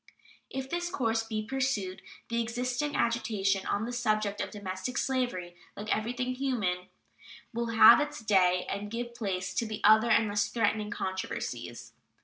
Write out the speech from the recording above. If this course be pursued, the existing agitation on the subject of domestic slavery, like everything human, will have its day and give place to other and less threatening controversies.